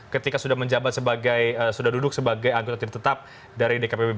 ketika sudah menjabat sebagai sudah duduk sebagai anggota tidak tetap dari dkpb